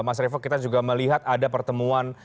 mas revo kita juga melihat ada pertemuan